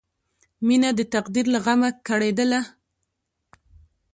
مینه د تقدیر له غمه کړېدله